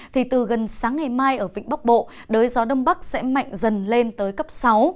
thì từ gần sáng ngày mai ở vịnh bắc bộ đới gió đông bắc sẽ mạnh dần lên tới cấp sáu